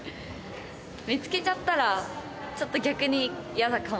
見つけちゃったらちょっと逆に嫌だかも。